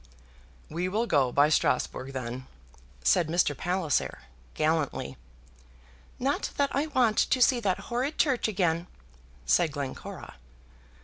"We will go by Strasbourg, then," said Mr. Palliser, gallantly. "Not that I want to see that horrid church again," said Glencora.